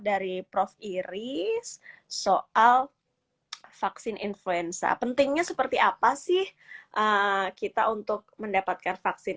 dari prof iris soal vaksin influenza pentingnya seperti apa sih kita untuk mendapatkan vaksin